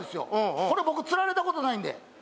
これ僕つられたことないんで。